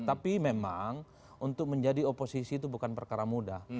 tapi memang untuk menjadi oposisi itu bukan perkara mudah